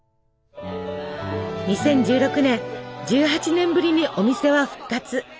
２０１６年１８年ぶりにお店は復活。